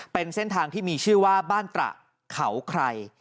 เป็นเส้นทางที่มีชื่อว่าบ้านตระเขาใคร